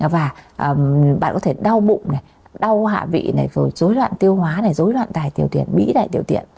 và bạn có thể đau bụng đau hạ vị dối loạn tiêu hóa dối loạn tài tiểu tiện bỉ tài tiểu tiện